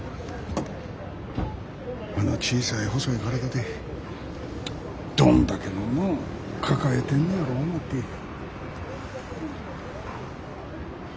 あの小さい細い体でどんだけのもん抱えてんねやろ思て。